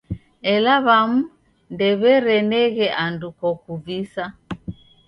Ela w'amu ndew'ereneghe andu kokuvisa.